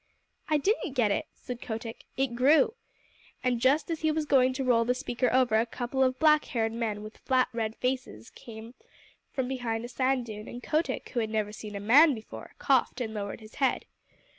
"I didn't get it," said Kotick. "It grew." And just as he was going to roll the speaker over, a couple of black haired men with flat red faces came from behind a sand dune, and Kotick, who had never seen a man before, coughed and lowered his head.